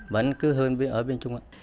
vẫn cứ hơn ở bên trung quốc